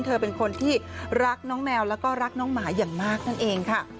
เธอเป็นคนที่รักน้องแมวแล้วก็รักน้องหมาอย่างมากนั่นเองค่ะ